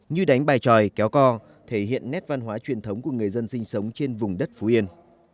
như đánh bài tròi kéo co thể hiện nét văn hóa truyền thống của người dân sinh sống trên vùng đất phú yên